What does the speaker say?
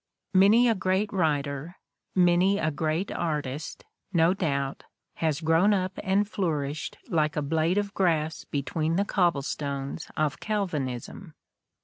Many a great writer, many a great artist, no doubt, has grown up and flourished like a blade of grass be tween the cobblestones of Calvinism.